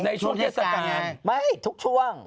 ช่วงเทศกาลไม่ทุกช่วง